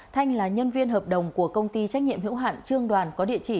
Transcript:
thanh là nhân viên hợp đồng của công ty trách nhiệm hữu hạn trương đoàn có địa chỉ